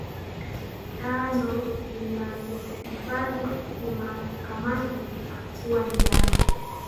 Tando zinazohifadhi kamasi kuwa njano